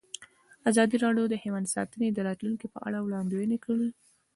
ازادي راډیو د حیوان ساتنه د راتلونکې په اړه وړاندوینې کړې.